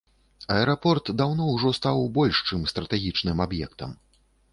Аэрапорт даўно стаў ужо стаў больш чым стратэгічным аб'ектам.